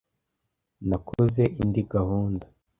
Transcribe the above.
Nakoze indi gahunda.